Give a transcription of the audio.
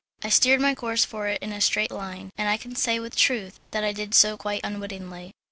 I steered my course for it in a straight line, and I can say with truth that I did so quite unwittingly.